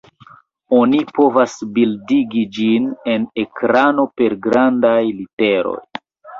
Oni povas bildigi ĝin en ekrano per grandaj literoj.